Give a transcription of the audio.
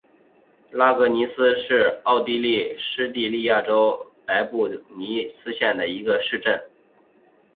拉格尼茨是奥地利施蒂利亚州莱布尼茨县的一个市镇。